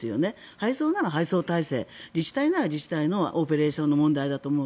配送なら配送体制自治体なら自治体のオペレーションの問題だと思う。